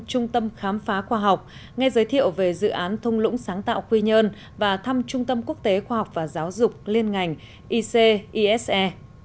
trung tâm khám phá khoa học nghe giới thiệu về dự án thông lũng sáng tạo quy nhơn và thăm trung tâm quốc tế khoa học và giáo dục liên ngành ic ise